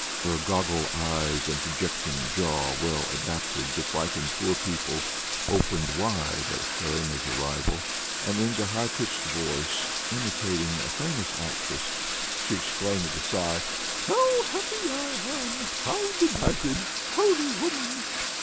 Her goggle eyes and projecting jaws well adapted to frighten poor people, opened wide at Helene's arrival, and in a high pitched voice, imitating a famous actress, she exclaimed with a sigh, "How happy I am! How delighted! Holy woman!"